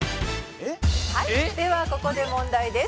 「はいではここで問題です」